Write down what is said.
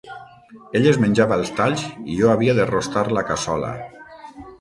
Ell es menjava els talls i jo havia de rostar la cassola.